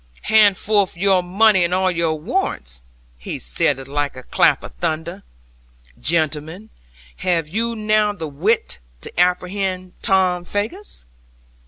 '"Hand forth your money and all your warrants," he saith like a clap of thunder; "gentlemen, have you now the wit to apprehend Tom Faggus?"